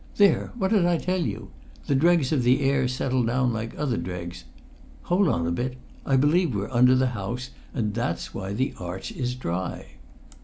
There! What did I tell you? The dregs of the air settle down like other dregs. Hold on a bit! I believe we're under the house, and that's why the arch is dry."